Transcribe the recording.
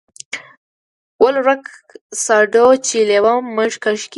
ول ورکه ساډو چې لېوه مږه کش کي.